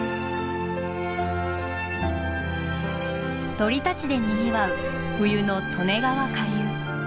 鳥たちでにぎわう冬の利根川下流。